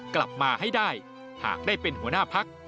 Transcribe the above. กลับมาให้ได้หากได้เป็นหัวหน้าพัก